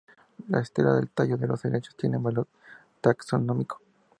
La estela del tallo de los helechos tiene valor taxonómico.